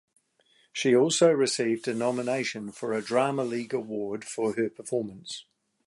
She also received a nomination for a Drama League Award for her performance.